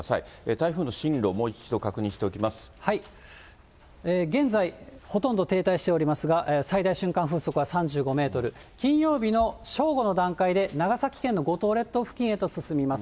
台風の進路、現在、ほとんど停滞しておりますが、最大瞬間風速は３５メートル、金曜日の正午の段階で、長崎県の五島列島付近へと進みます。